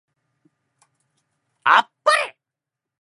晴天